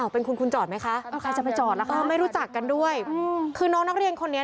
เป็นคุณคุณจอดไหมคะไม่รู้จักกันด้วยคือน้องนักเรียนคนนี้